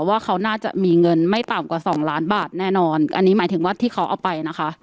ว่าเขาน่าจะมีเงินไม่ต่ำกว่าสองล้านบาทแน่นอนอันนี้หมายถึงว่าที่เขาเอาไปนะคะ